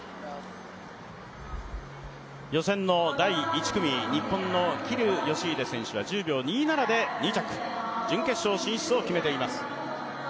予選の第１組、日本の桐生祥秀選手は１０秒２７で２着、準決勝進出を決めています。